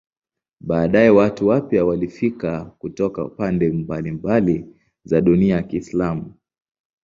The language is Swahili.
Baadaye watu wapya walifika kutoka pande mbalimbali za dunia ya Kiislamu.